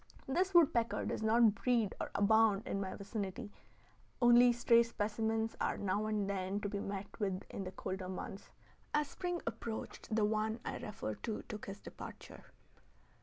This woodpecker does not breed or abound in my vicinity; only stray specimens are now and then to be met with in the colder months. As spring approached, the one I refer to took his departure.